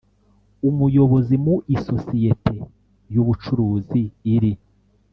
umuyobozi mu isosiyete y ubucuruzi iri